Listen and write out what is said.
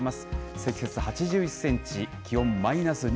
積雪８１センチ、気温マイナス２．